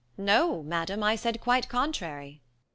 No, madam, I said quite contrary.